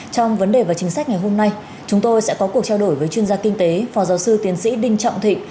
trong vấn đề và chính sách ngày hôm nay chúng tôi sẽ có cuộc trao đổi với chuyên gia kinh tế phó giáo sư tiến sĩ đinh trọng thịnh